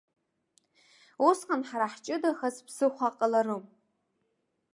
Усҟан ҳара ҳҷыдахаз ԥсыхәа ҟаларым!